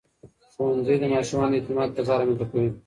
ښوونځي د ماشومانو د اعتماد فضا رامنځته کوي.